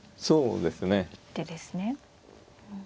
そうですね。